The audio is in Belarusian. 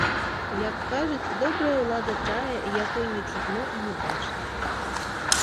Як кажуць, добрая ўлада тая, якой не чутно і не бачна.